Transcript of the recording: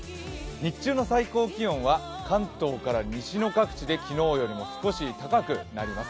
日中の最高気温は関東から西の各地で昨日よりも少し高くなります。